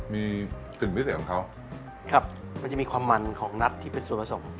มีกลิ่นพิเศษของเขาครับมันจะมีความมันของนัทที่เป็นส่วนผสม